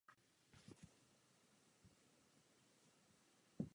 A dále se snažíme celou strukturu interpretovat.